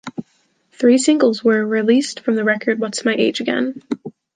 Three singles were released from the record-What's My Age Again?